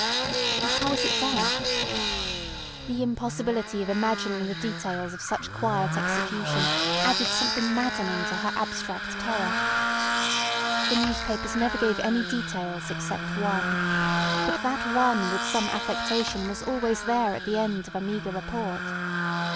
And how was it done? The impossibility of imagining the details of such quiet execution added something maddening to her abstract terror. The newspapers never gave any details except one, but that one with some affectation was always there at the end of a meagre report.